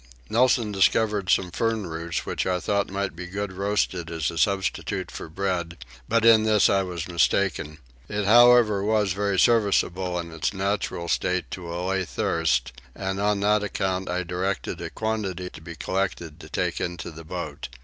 Nelson discovered some fern roots which I thought might be good roasted as a substitute for bread, but in this I was mistaken: it however was very serviceable in its natural state to allay thirst, and on that account I directed a quantity to be collected to take into the boat.